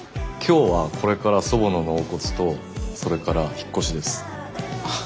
今日はこれから祖母の納骨とそれから引っ越しです。